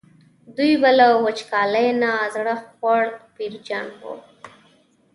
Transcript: دوی به له وچکالۍ نه زړه خوړ ویرجن وو.